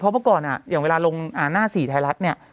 เพราะเมื่อก่อนอย่างเวลาลงหน้าสื่อไทยรัฐเนี่ย